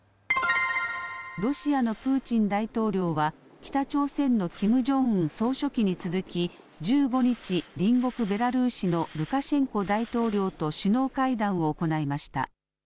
ロシアのプーチン大統領は、北朝鮮のキム・ジョンウン総書記に続き、１５日、隣国ベラルーシのルカシェンコ大統領と首脳会談を行いました。